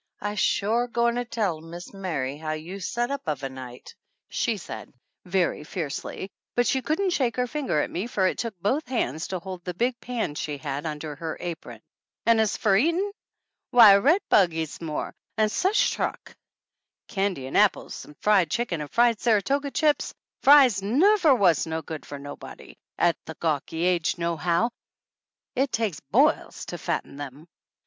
"I'se shore goin' 'er tell Mis' Mary how you set up uv a night," she said, very fiercely, but she couldn't shake her finger at me for it took both hands to hold the big pan she had under her apron. "An' as fer eatin'! Why, a red bug eats more! An' such truck! Candy and apples and fried chicken and fried Saratoga chips! Fries nuvver was no good for nobody 34 THE ANNALS OF ANN at the gawky age, nohow. It takes boils to fat ten them !"